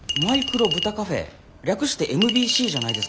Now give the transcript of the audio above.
略してＭＢＣじゃないですか。